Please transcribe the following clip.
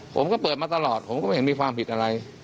ผมก็เปิดมาตลอดผมก็ไม่เห็นมีความผิดอะไร